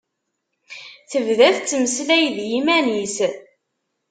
Tebda tettmeslay d yiman-is.